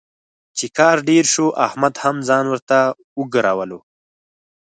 چې کار ډېر شو، احمد هم ځان ورته وګرولو.